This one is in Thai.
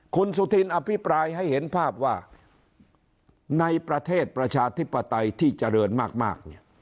คุณสุธินอภิปรายให้เห็นภาพว่าในประเทศประชาธิปไตยที่เจริญมาก